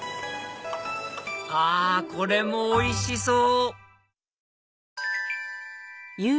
あこれもおいしそう！